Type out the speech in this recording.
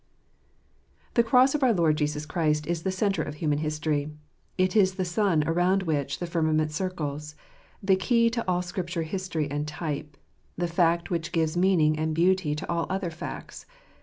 HE cross of our Lord Jesus Christ is the centre of human history. It is the sun around which the firmament circles ; the key to all Scripture history and type; the fact which gives meaning and beauty to all other facts.